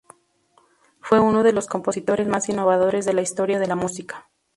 Fue uno de los compositores más innovadores de la historia de la música.